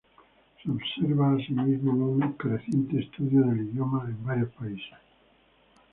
Se observa asimismo un creciente estudio del idioma en varios países.